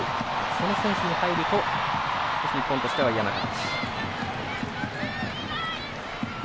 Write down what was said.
その選手が入ると少し日本としては嫌な形。